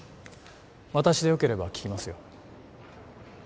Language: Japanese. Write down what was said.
私でよければ聞きますよ